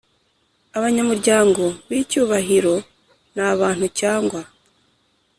Abanyamuryango b icyubahro ni abantu cyangwa